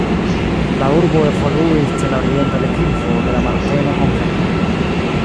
La urbo evoluis ĉe la orienta deklivo de la Marteno-konvento.